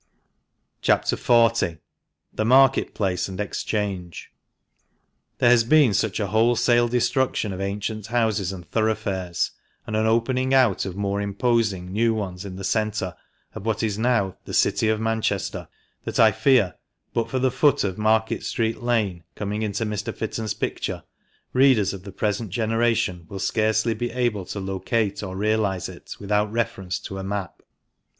CHAP. XI. — THE MARKET PLACE AND EXCHANGE. — There has been such a wholesale destruction of ancient houses and thoroughfares, and an opening out of more imposing new ones in the centre of what is now the " City of Manchester," that I fear, but for the foot of Market street Lane coming into Mr. Fitton's picture, readers of the present generation will scarcely be able to locate or realise it without reference to a map.